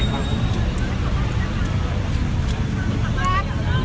สวัสดีค่ะ